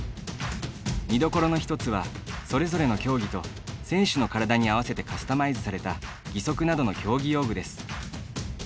見どころの１つはそれぞれの競技と選手の体に合わせてカスタマイズされた義足などの競技用具です。